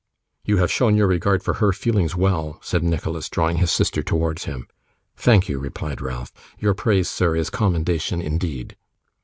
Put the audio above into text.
'You have shown your regard for HER feelings well,' said Nicholas, drawing his sister towards him. 'Thank you,' replied Ralph. 'Your praise, sir, is commendation, indeed.